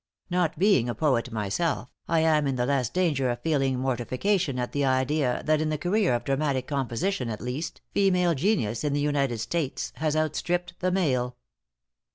Not being a poet myself, I am in the less danger of feeling mortification at the idea that in the career of dramatic composition at least, female genius in the United States has out stripped the male."